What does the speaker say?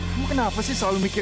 kamu kenapa sih selalu mikir